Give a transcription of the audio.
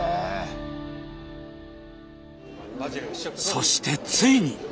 そしてついに！